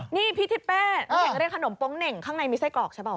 นี่พี่ทิเป๊ะเราอยากเล่นขนมปรงเน่งข้างในมีไส้กรอกใช่ป่ะวะ